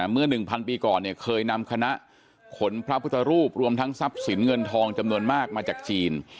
เมื่อ๑๐๐ปีก่อนเนี่ยเคยนำคณะขนพระพุทธรูปรวมทั้งทรัพย์สินเงินทองจำนวนมากมาจากจีน